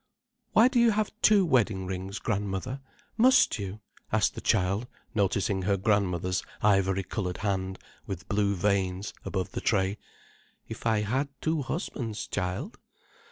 "Why do you have two wedding rings, grandmother?—Must you?" asked the child, noticing her grandmother's ivory coloured hand with blue veins, above the tray. "If I had two husbands, child."